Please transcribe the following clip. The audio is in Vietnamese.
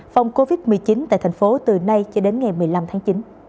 phong covid một mươi chín tại thành phố từ nay cho đến ngày một mươi năm tháng chín